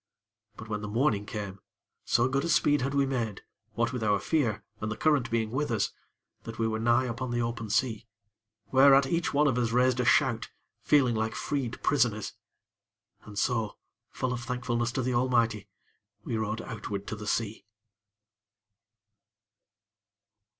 But, when the morning came, so good a speed had we made, what with our fear, and the current being with us, that we were nigh upon the open sea; whereat each one of us raised a shout, feeling like freed prisoners. And so, full of thankfulness to the Almighty, we rowed outward to the sea.